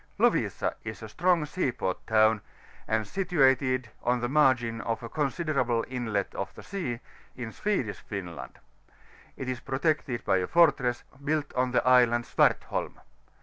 XiOlTIS A is a strong sea port town, and situated on the margin of a considerable inlet of the sea, in Swedish Finland: it is protected by a fortress, built on the Island Swartholm.